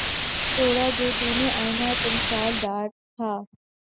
توڑا جو تو نے آئنہ تمثال دار تھا